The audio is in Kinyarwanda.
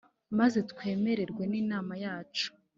maze twemerwe n imana yacu